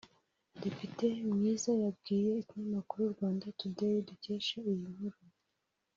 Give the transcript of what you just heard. Depite Mwiza yabwiye ikinyamakuru Rwanda Today dukesha iyi nkuru